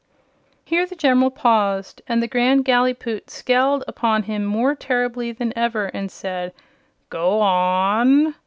Here the General paused, and the Grand Gallipoot scowled upon him more terribly than ever and said: "Go on!"